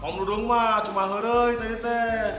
om dudung mah cuma horeh itu itu